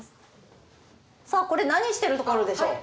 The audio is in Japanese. さあこれ何してるところでしょう？